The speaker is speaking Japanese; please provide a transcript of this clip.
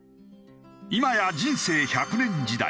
今や人生１００年時代。